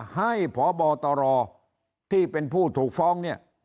ให้พบตรที่เป็นผู้ถูกฟ้อง